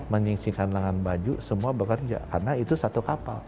menyingsikan lengan baju semua bekerja karena itu satu kapal